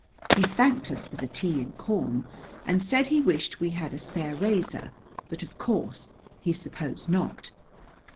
He thanked us for the tea and corn, and said he wished we had a spare razor but, of course, he supposed not.